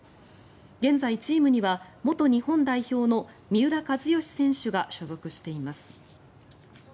現在、チームには元日本代表の三浦知良選手が所属しています。